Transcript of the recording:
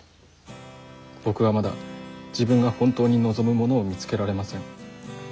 僕はまだ自分が本当に望むものを見つけられません。